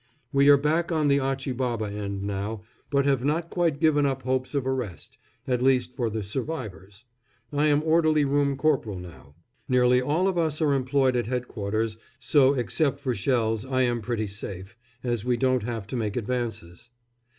We are back on the Achi Baba end now, but have not quite given up hopes of a rest, at least for the "survivors." I am orderly room corporal now. Nearly all of us are employed at headquarters, so except for shells I am pretty safe, as we don't have to make advances.